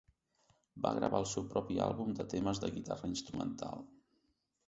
Va gravar el seu propi àlbum de temes de guitarra instrumental.